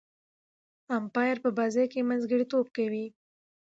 امپایر په بازي کښي منځګړیتوب کوي.